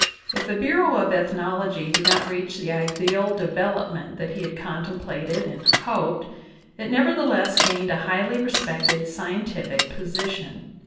If the Bureau of Ethnology did not reach the ideal development that he had contemplated and hoped, it nevertheless gained a highly respected scientific position.